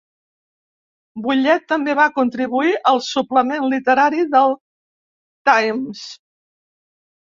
Bullett també va contribuir al suplement literari del Times.